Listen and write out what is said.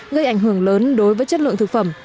gây ảnh hưởng lớn đối với chất lượng thực phẩm